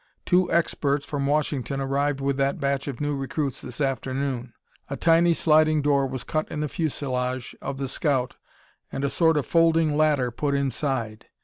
Two experts from Washington arrived with that batch of new recruits this afternoon. A tiny sliding door was cut in the fuselage of the scout and a sort of folding ladder put inside.